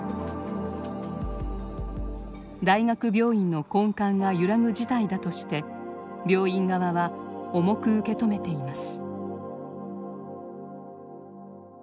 大学病院の根幹が揺らぐ事態だとして病院側は重く受け止めています。